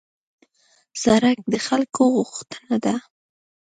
سړک د خلکو غوښتنه ده.